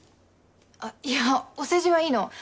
あっいやお世辞はいいの。